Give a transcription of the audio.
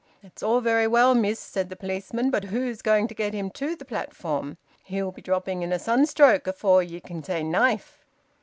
"That's all very well, miss," said the policeman, "but who's going to get him to the platform? He'll be dropping in a sunstroke afore ye can say knife."